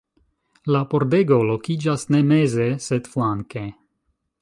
La pordego lokiĝas ne meze, sed flanke.